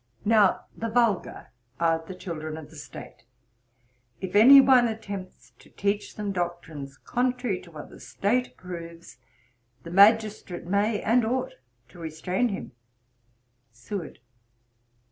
Now the vulgar are the children of the State. If any one attempts to teach them doctrines contrary to what the State approves, the magistrate may and ought to restrain him.' SEWARD.